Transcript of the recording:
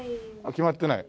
決まってない。